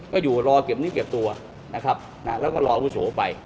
ก็อยู่รอเก็บนิดเก็บตัวนะครับแล้วก็รออาวุโสไป